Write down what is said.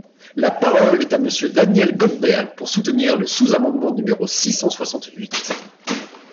La parole est à Monsieur Daniel Goldberg, pour soutenir le sous-amendement numéro six cent soixante-huit.